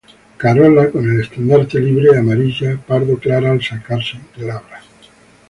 Corola con el estandarte libre, amarilla, pardo clara al secarse, glabra.